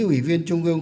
ủy viên trung ương